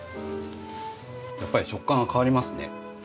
やっぱり食感が変わりますね。